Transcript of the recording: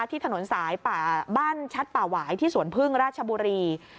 ที่ถนนสายป่าบ้านชัดป่าหวายที่สวนพึ่งราชบุรี